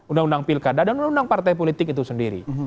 undang undang pilkada dan undang undang partai politik itu sendiri